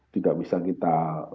tidak bisa kita